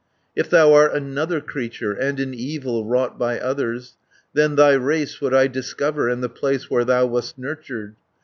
"If thou art another creature, And an evil wrought by others, Then thy race would I discover, And the place where thou wast nurtured.